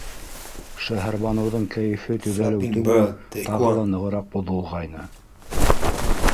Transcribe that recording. Шәһәрбаныуҙың кәйефе төҙәлеү түгел, тағы нығыраҡ боҙолғайны.